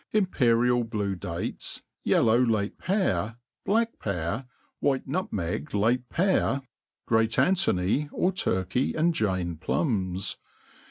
Imperial blue dates, yellow late pear, black pear, white nut meg late pear, great Antony or Turkey and Jane plums*.